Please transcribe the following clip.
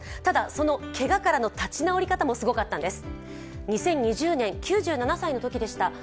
そのけがからの立ち直り方もすごかったんです